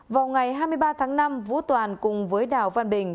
vào ngày hai mươi ba tháng năm vũ toàn cùng với đào văn bình